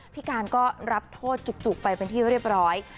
พี่การก็รับโทษจุกไปเป็นที่เรียบร้อย